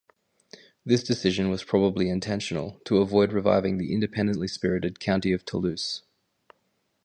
This decision was probably intentional, to avoid reviving the independently spirited County of Toulouse.